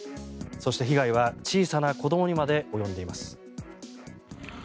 そして、被害は小さな子どもにまで及んでいます。